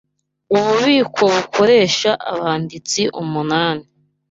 Ububiko bukoresha abanditsi umunani.